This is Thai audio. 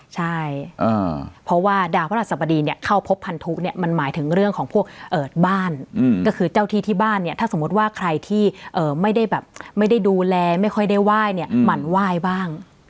ใช่เพราะว่าดาวพระราชสบดีเนี่ยเข้าพบพันธุเนี่ยมันหมายถึงเรื่องของพวกบ้านก็คือเจ้าที่ที่บ้านเนี่ยถ้าสมมุติว่าใครที่ไม่ได้แบบไม่ได้ดูแลไม่ค่อยได้ไหว้เนี่ยหมั่นไหว้บ้าง